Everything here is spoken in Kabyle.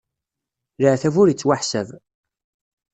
Leɛtab ur ittwaḥsab.